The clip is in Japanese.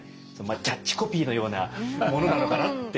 キャッチコピーのようなものなのかなって。